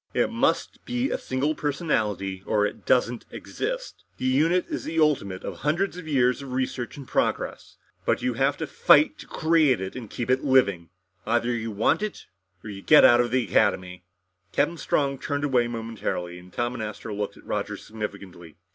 It must be a single personality, or it doesn't exist. The unit is the ultimate of hundreds of years of research and progress. But you have to fight to create it and keep it living. Either you want it, or you get out of the Academy!" Captain Strong turned away momentarily and Tom and Astro looked at Roger significantly.